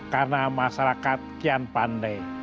karena masyarakat kian pande